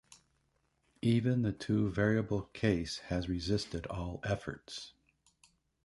Even the two variable case has resisted all efforts.